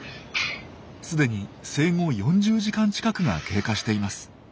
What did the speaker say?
既に生後４０時間近くが経過しています。